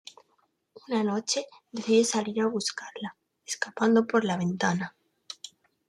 Una noche, decide salir a buscarla, escapando por la ventana.